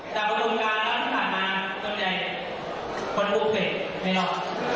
จากประดูกการณ์ผ่านมาต้นใจคนปลุกเสกไม่ยอม